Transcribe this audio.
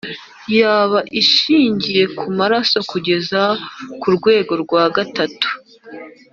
yaba ishingiye ku maraso kugera ku rwego rwa gatatu